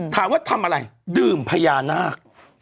ถามว่าทำอะไรดื่มพญานาค